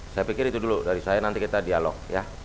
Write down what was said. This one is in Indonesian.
saya pikir itu dulu dari saya nanti kita dialog ya